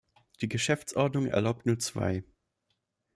Die Geschäftsordnung erlaubt nur zwei.